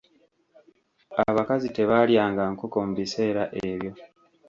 Abakazi tebaalyanga nkoko mu biseera ebyo.